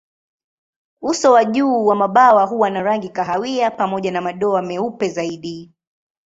Uso wa juu wa mabawa huwa na rangi kahawia pamoja na madoa meupe zaidi.